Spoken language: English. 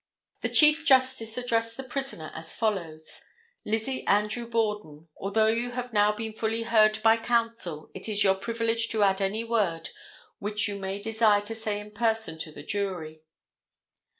The chief justice addressed the prisoner as follows: Lizzie Andrew Borden—Although you have now been fully heard by counsel, it is your privilege to add any word which you may desire to say in person to the jury.